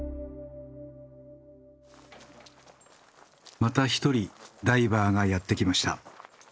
また一人ダイバーがやって来ました。